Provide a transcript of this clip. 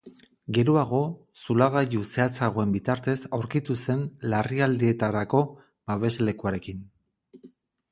Geroago, zulagailu zehatzagoen bitartez aurkitu zen larrialdietarako babeslekuarekin.